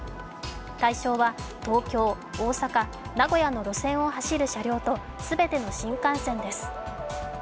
対象は東京、大阪、名古屋の路線を走る車両と全ての新幹線です。